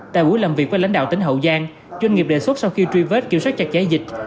tại buổi làm việc với lãnh đạo tỉnh hậu giang doanh nghiệp đề xuất sau khi truy vết kiểm soát chặt cháy dịch